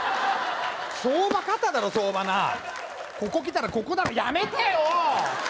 相場肩だろ相場なここ来たらここだろやめてよー！